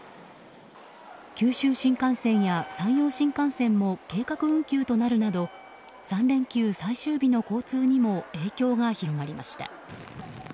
九州新幹線や山陽新幹線も計画運休となるなど３連休最終日の交通にも影響が広がりました。